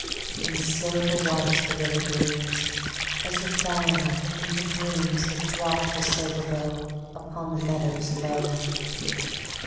And silver white the river gleams, As if Diana, in her dreams Had dropt her silver bow Upon the meadows low.